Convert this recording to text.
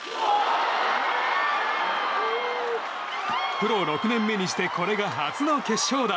プロ６年目にしてこれが初の決勝打。